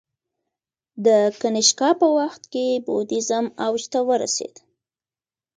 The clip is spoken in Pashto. د کنیشکا په وخت کې بودیزم اوج ته ورسید